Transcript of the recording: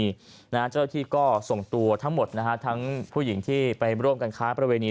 เจ้าหน้าที่ก็ส่งตัวทั้งหมดนะฮะทั้งผู้หญิงที่ไปร่วมกันค้าประเวณี